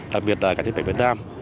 đặc biệt là cả chế đội việt nam